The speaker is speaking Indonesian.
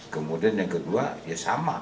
kemudian yang kedua ya sama